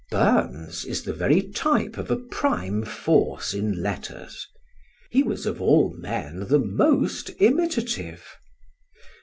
Burns is the very type of a prime force in letters: he was of all men the most imitative.